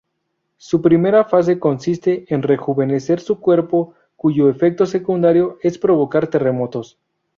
Su primera fase consiste en rejuvenecer su cuerpo cuyo efecto secundario es provocar terremotos.